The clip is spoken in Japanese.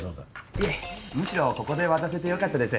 いえむしろここで渡せてよかったです。